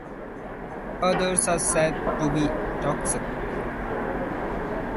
Others are said to be toxic.